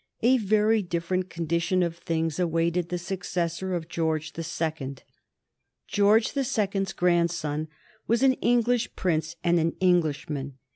A very different condition of things awaited the successor of George the Second. George the Second's grandson was an English prince and an Englishman.